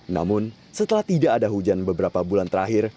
namun setelah tidak ada hujan beberapa bulan terakhir